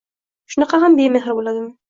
Shunaqa ham bemehr bo'ladimi?